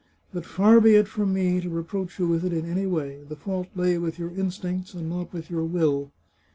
But far be it from me to re proach you with it in any way. The fault lay with your instincts, and not with your will.